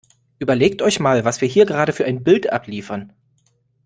Überlegt euch mal, was wir hier gerade für ein Bild abliefern!